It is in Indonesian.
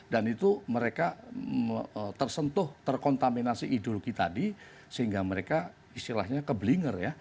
dan itu mereka tersentuh terkontaminasi ideologi tadi sehingga mereka istilahnya keblinger ya